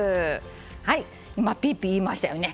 はい今ピーピーいいましたよね。